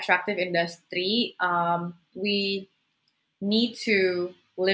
dalam hal industri yang menarik